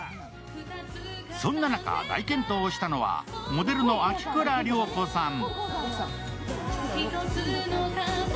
そんな中、大健闘したのはモデルの秋倉諒子さん。